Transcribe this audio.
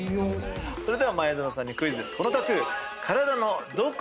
それでは前園さんにクイズです。